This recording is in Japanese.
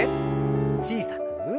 小さく。